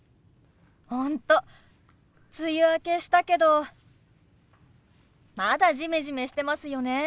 本当梅雨明けしたけどまだジメジメしてますよね。